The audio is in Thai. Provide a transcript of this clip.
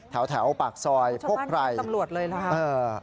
ใช้อยู่ที่ตำรวชเลยนะคะ